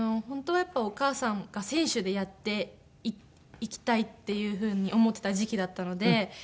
本当はやっぱりお母さんが選手でやっていきたいっていうふうに思っていた時期だったので。